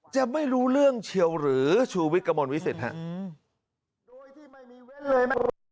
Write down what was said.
จะไม่รู้เรื่องเฉียวหรือชูวิกกระม่อนวิเศษฮะโดยที่ไม่มีเว้นเลย